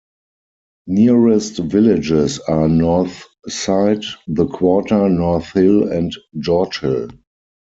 Nearest villages are North Side, The Quarter, North Hill and George Hill.